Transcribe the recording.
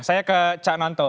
saya ke cak nanto